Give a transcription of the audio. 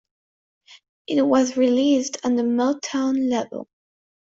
It was released on the Motown label.